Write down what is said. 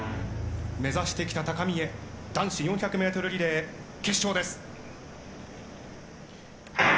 目指してきた高みへ、男子４００メートルリレー決勝です。